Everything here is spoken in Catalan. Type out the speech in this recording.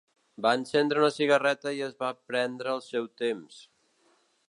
Va encendre una cigarreta i es va prendre el seu temps.